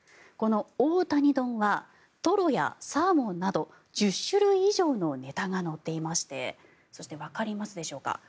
この大谷丼はトロやサーモンなど１０種類以上のネタが乗っていましてそして、わかりますでしょうか。